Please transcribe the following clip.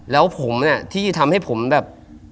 แล้วผมที่ทำให้ผมแบบ